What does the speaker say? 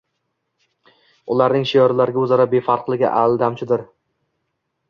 Ularning shiorlarga o‘zaro befarqligi aldamchidir